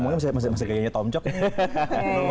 ini omongnya masih gayanya tom cok ya